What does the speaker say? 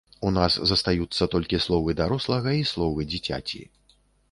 У нас застаюцца толькі словы дарослага і словы дзіцяці.